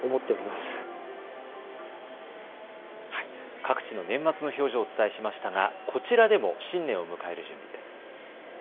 各地の年末の表情をお伝えしましたがこちらでも新年を迎える準備です。